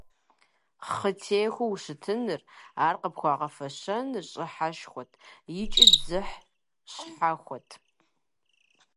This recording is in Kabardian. Хъытехыу ущытыныр, ар къыпхуагъэфэщэныр щӀыхьышхуэт икӀи дзыхь щхьэхуэт.